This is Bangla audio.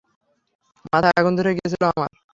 মাথায় আগুন ধরে গিয়েছিল আমার।